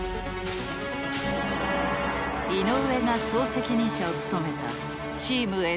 井上が総責任者を務めたチームＳ